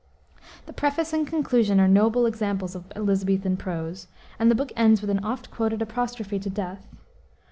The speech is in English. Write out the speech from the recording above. The preface and conclusion are noble examples of Elisabethan prose, and the book ends with an oft quoted apostrophe to Death.